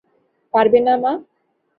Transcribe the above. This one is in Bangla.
পারবে না মা?